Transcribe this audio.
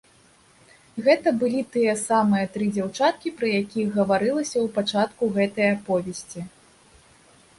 Гэта былі тыя самыя тры дзяўчаткі, пра якіх гаварылася ў пачатку гэтай аповесці.